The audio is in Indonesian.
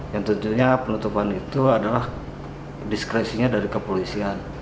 yang tentunya penutupan itu adalah diskresinya dari kepolisian